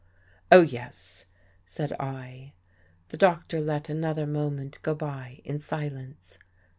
"" Oh, yes," said I. The Doctor let another moment go by in silence.